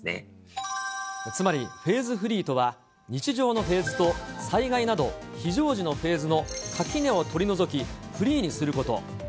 つまり、フェーズフリーとは、日常のフェーズと災害など、非常時のフェーズの垣根を取り除き、フリーにすること。